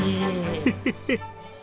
ヘヘヘッ。